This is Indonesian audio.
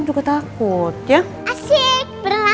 suara kamu mana anak